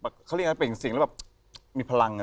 เขาเรียกอะไรเปล่งเสียงแล้วแบบมีพลัง